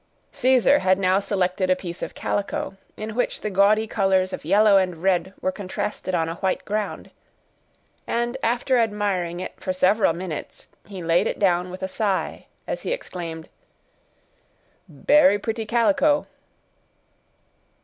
Caesar had now selected a piece of calico, in which the gaudy colors of yellow and red were contrasted on a white ground, and, after admiring it for several minutes, he laid it down with a sigh, as he exclaimed, "Berry pretty calico."